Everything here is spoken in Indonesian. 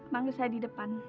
manggil saya di depan